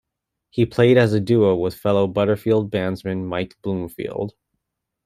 He played as a duo with fellow Butterfield bandsman Mike Bloomfield.